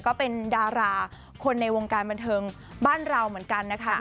ก็เป็นดาราคนในวงการบันเทิงบ้านเราเหมือนกันนะคะ